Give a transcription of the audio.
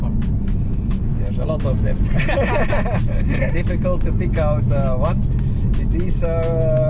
ada banyak yang sangat sulit untuk diambil